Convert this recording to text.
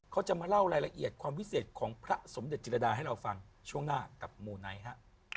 เขาจะมาเล่ารายละเอียดความวิเศษของพระสมเด็จจิรดาให้เราฟังช่วงหน้ากับมูไนท์ฮะ